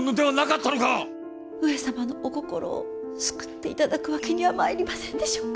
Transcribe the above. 上様のお心を救って頂くわけにはまいりませんでしょうか。